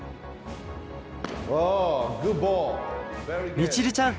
みちるちゃん